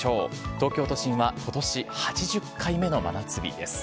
東京都心はことし８０回目の真夏日です。